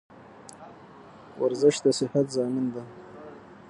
ورزش دصیحت زامین ده